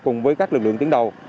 cùng với các lực lượng tiến đầu